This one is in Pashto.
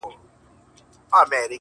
o طبله، باجه، منگی، سیتار، رباب، ه یاره،